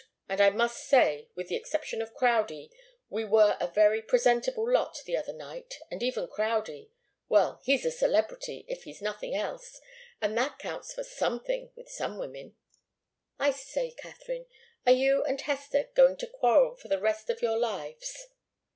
And I must say, with the exception of Crowdie, we were a very presentable lot the other night. And even Crowdie well, he's a celebrity, if he's nothing else, and that counts for something with some women. I say, Katharine are you and Hester going to quarrel for the rest of your lives?"